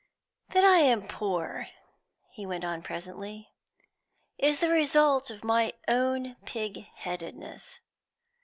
"That I am poor," he went on presently, "is the result of my own pigheadedness.